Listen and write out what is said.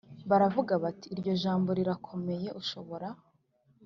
Baravuga bati iryo jambo rirakomeye ushobora